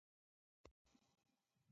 د ښځې تر حکم لاندې ژوند کوي.